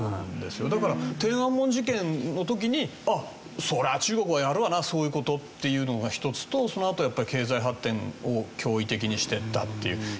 だから天安門事件の時に「そりゃあ中国はやるわなそういう事」っていうのが一つとそのあとやっぱり経済発展を驚異的にしていったっていう。